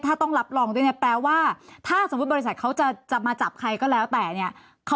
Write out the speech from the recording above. ถ้าต้องรับรองด้วยเนี่ยแปลว่าถ้าสมมุติบริษัทเขาจะมาจับใครก็แล้วแต่เนี่ย